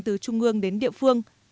trung ương đến địa phương